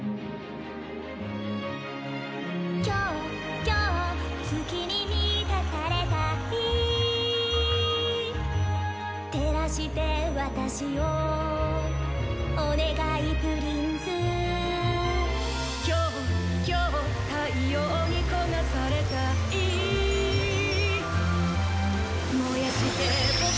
「今日今日月に満たされたい」「照らしてわたしをお願いプリンス」「今日今日太陽に焦がされたい」「燃やして僕をお願いプリンセス」